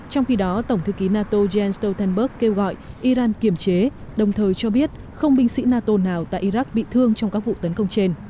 trong khi đó tổng thư ký nato jens stoltenberg kêu gọi iran kiềm chế đồng thời cho biết không binh sĩ nato nào tại iraq bị thương trong các vụ tấn công trên